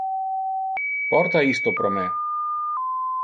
Porta isto pro me.